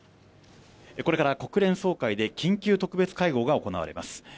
これから国連総会で緊急特別会合が行われます。